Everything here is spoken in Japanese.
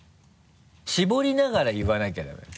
絞りながら言わなきゃダメだよ。